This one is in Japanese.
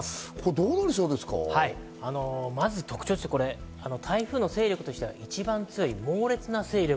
まず特徴として台風の勢力としては一番強い猛烈な勢力。